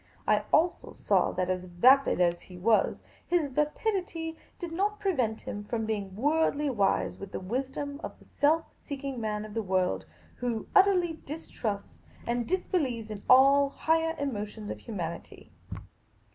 I also saw that, vapid as he was, his vapidity did not prevent him from being worldly wise with the wisdom of the self seeking man of the world, who utterly distrusts and disbelieves in all the higher emotions of humanity.